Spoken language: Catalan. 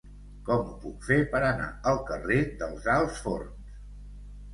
Com ho puc fer per anar al carrer dels Alts Forns?